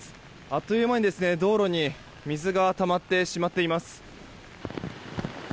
あっという間に道路に水がたまってしまっています。